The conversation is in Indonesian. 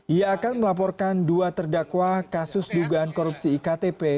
ia akan melaporkan dua terdakwa kasus dugaan korupsi iktp